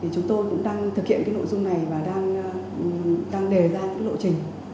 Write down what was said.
chúng tôi cũng đang thực hiện nội dung này và đang đề ra lộ trình